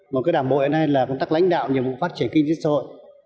một cái đảng bộ hiện nay là công tác lãnh đạo nhiệm vụ phát triển kinh tế xã hội